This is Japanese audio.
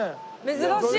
珍しい！